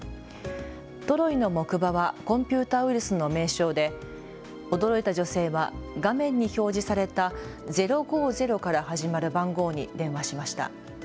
トロイの木馬はコンピューターウイルスの名称で驚いた女性は画面に表示された０５０から始まる番号に電話しました。